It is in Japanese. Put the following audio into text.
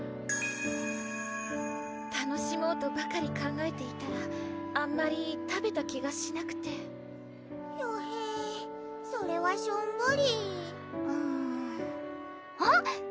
楽しもうとばかり考えていたらあんまり食べた気がしなくてひょへそれはしょんぼりあっ！